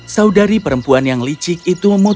saudari perempuan yang licik itu memutuskan